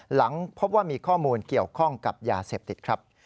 หลังพบว่ามีข้อมูลเกี่ยวข้องกับยาเสพติดครับ